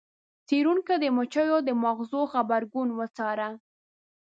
څیړونکو د مچیو د ماغزو غبرګون وڅاره.